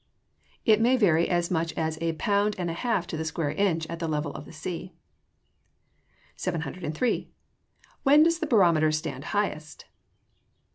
_ It may vary as much as a pound and a half to the square inch at the level of the sea. 703. _When does the barometer stand highest?